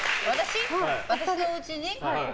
私のおうちに？